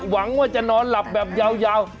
หวังว่าจะนอนหลับแบบยาว